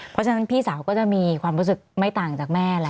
เพราะฉะนั้นพี่สาวก็จะมีความรู้สึกไม่ต่างจากแม่แหละ